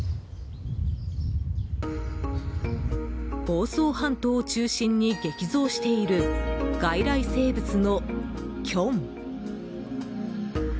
房総半島を中心に激増している外来生物のキョン。